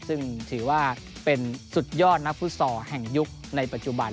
ซึ่งถือว่าเป็นสุดยอดนักฟุตซอลแห่งยุคในปัจจุบัน